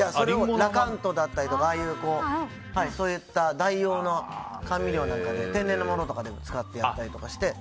ラカントだったりとかそういった代用の甘味料とか天然のものとかを使ってやったりして。